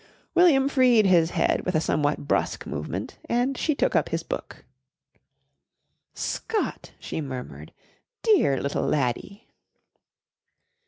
William freed his head with a somewhat brusque movement and she took up his book. "Scott!" she murmured. "Dear little laddie!"